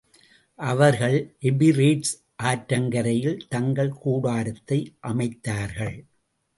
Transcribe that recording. அவர்கள் எபிரேட்ஸ் ஆற்றங்கரையிலே தங்கள் கூடாரத்தை அமைத்தார்கள்.